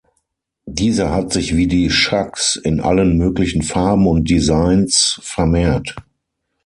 Dieser hat sich wie die Chucks in allen möglichen Farben und Designs vermehrt.